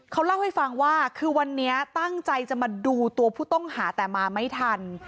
เขาเล่าให้ฟังว่าคือวันนี้ตั้งใจจะมาดูตัวผู้ต้องหาแต่มาไม่ทัน